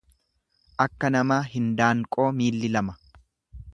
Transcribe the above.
Akka namaa hindaanqoo miilli lama.